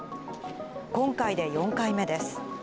今回で４回目です。